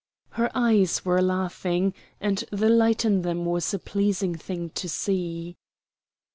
Her eyes were laughing, and the light in them was a pleasing thing to see.